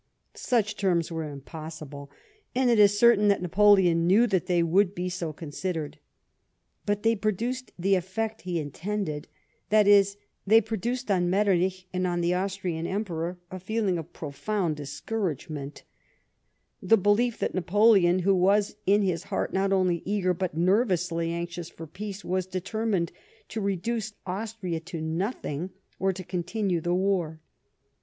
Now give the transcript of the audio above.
JSuch terms were impossible, and it is certain that Napoleon knew that they would be so considered. But they produced the effect he intended, that is, they produced on Metternich and on the Austrian Emperor a feeling of profound discouragement ; the belief that Napoleon, who was in his heart not only eager but nervously anxious for peace, was determined to reduce Austria to nothino , or to continue the war.